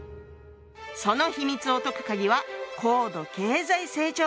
その秘密を解くカギは高度経済成長期。